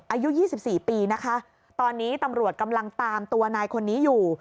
อายุ๒๔ปีนะคะตอนนี้ตำรวจกำลังตามตัวนายคนนี้อยู่